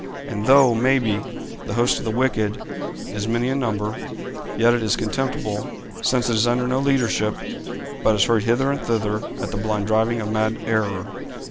And though, maybe, the host of the wicked is many in number, yet is it contemptible, since it is under no leadership, but is hurried hither and thither at the blind driving of mad error.